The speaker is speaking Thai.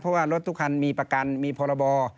เพราะว่ารถทุกคันมีประกันมีพรบ